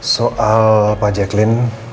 soal pak jacqueline